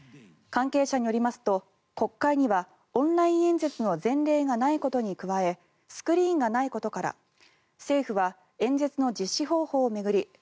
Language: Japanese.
関係者によりますと国会にはオンライン演説の前例がないことに加えスクリーンがないことから政府は演説の実施方法を巡り